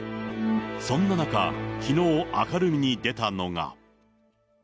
そんな中、きのう明るみに出たのが。